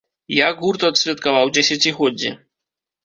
Як гурт адсвяткаваў дзесяцігоддзе?